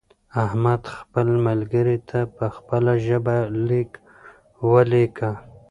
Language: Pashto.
احمد خپل ملګري ته په خپله ژبه لیک ولیکه.